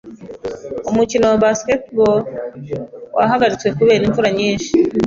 Umukino wa baseball wahagaritswe kubera imvura nyinshi.